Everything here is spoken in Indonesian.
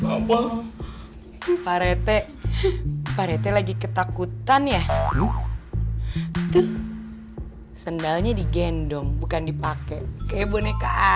apa pak rete pak rete lagi ketakutan ya tuh sendalnya digendong bukan dipakai kayak boneka